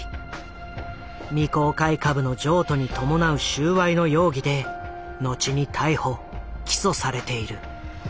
未公開株の譲渡に伴う収賄の容疑でのちに逮捕起訴されている。